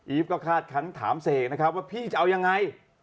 อีฟก็ถามเศษนะครับว่าพี่จะเอายังไง